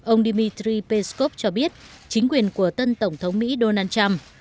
ông dmitry peskov cho biết chính quyền của tân tổng thống mỹ donald trump